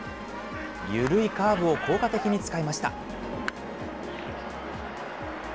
緩いカーブを効果的に使いました。